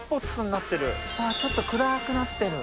ああちょっと暗くなってる。